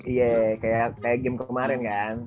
iya kayak game kemarin kan